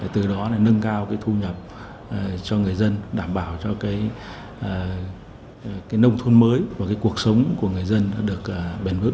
từ đó nâng cao thu nhập cho người dân đảm bảo cho nông thuân mới và cuộc sống của người dân được bền vững